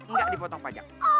nggak dipotong pajak